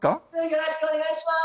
よろしくお願いします！